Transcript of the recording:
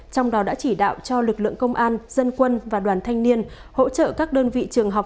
trong đó đã chỉ đạo cho lực lượng công an dân quân và đoàn thanh niên hỗ trợ các đơn vị trường học